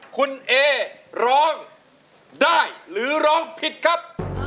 คุณเอร้องได้หรือร้องผิดครับ